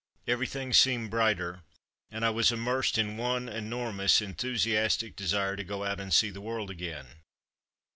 Everything seemed brighter, and I was immersed in one enormous, enthusi astic desire to go out and see the world again.